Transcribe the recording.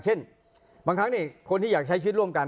เช่นบางครั้งคนที่อยากใช้ชีวิตร่วมกัน